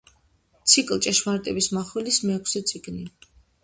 ციკლ „ჭეშმარიტების მახვილის“ მეექვსე წიგნი.